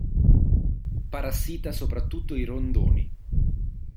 Parassita soprattutto i rondoni.